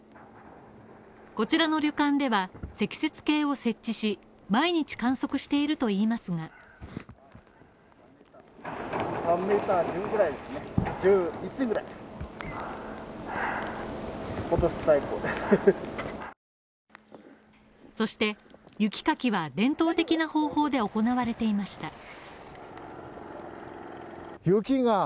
こちらの旅館では積雪計を設置し、毎日観測しているといいますがそして、雪かきは伝統的な方法で行われていました。